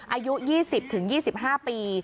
อายุ๒๐๒๕ปี